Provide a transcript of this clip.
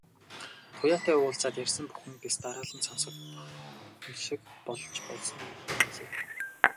Туяатай уулзаад ярьсан бүхэн дэс дараалан сонстох шиг болж байсан билээ.